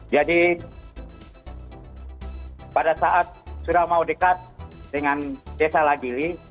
jadi pada saat sudah mau dekat dengan desa ladili